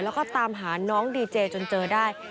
แล้วก็ตามหาน้องดีเจจนเจอได้